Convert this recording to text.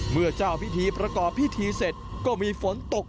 เมื่อเจ้าพิธีประกอบพิธีเสร็จก็มีฝนตก